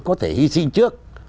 có thể hy sinh trước